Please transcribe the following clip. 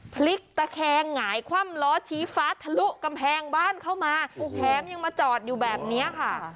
พลิกตะแคงหงายคว่ำล้อชี้ฟ้าทะลุกำแพงบ้านเข้ามาแถมยังมาจอดอยู่แบบนี้ค่ะ